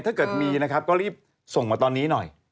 ถ้าเกิดมีนะครับก็รีบส่งมาตอนนี้หน่อย